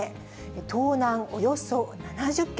盗難およそ７０件。